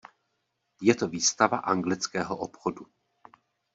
Je to výstava anglického obchodu.